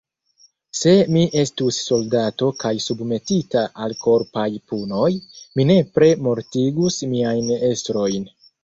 Se mi estus soldato kaj submetita al korpaj punoj, mi nepre mortigus miajn estrojn.